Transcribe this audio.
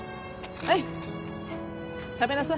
はい。